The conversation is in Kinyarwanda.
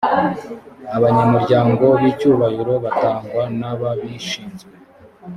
abanyamuryango b’ icyubahiroo batangwa nababishinzwe.